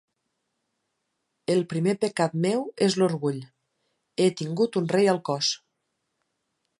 El primer pecat meu és l’orgull: he tingut un rei al cos.